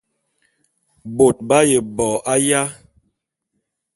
Bôt b'aye bo aya?